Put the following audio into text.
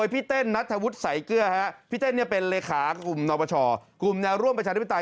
พี่เต้นเป็นเลยคากรุมนปชกรุมแนวร่วมประชาธิบิตา